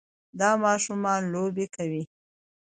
دا ماشوم لوبې کوي.